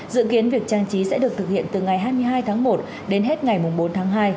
dự kiến việc trang trí sẽ được thực hiện từ ngày hai mươi hai tháng một đến hết ngày bốn tháng hai